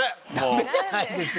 ダメじゃないですよ